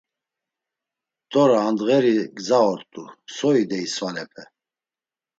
T̆ora a ndğeri gza ort̆u so idey svalepe.